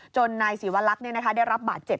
นายศิวลักษณ์ได้รับบาดเจ็บ